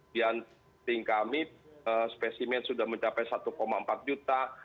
biasanya spesimen kami sudah mencapai satu empat juta